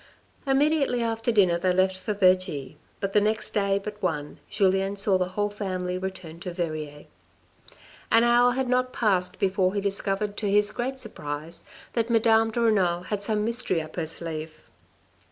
Immediately after dinner they left for Vergy, but the next day but one Julien saw the whole family return to Verrieres. An hour had not passed before he discovered to his great surprise that Madame de Renal had some mystery up her sleeve.